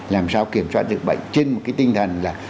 làm sao kiểm soát dịch bệnh trên một cái tinh thần là